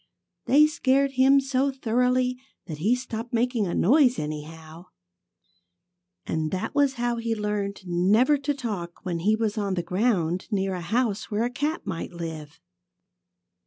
They scared him so thoroughly that he stopped making a noise, anyhow. And that was how he learned never to talk when he was on the ground near a house where a cat might live.